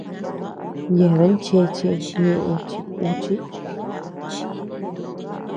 Yeabean chéche ñeʼe chi kùchi.